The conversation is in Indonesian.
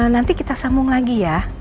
nanti kita sambung lagi ya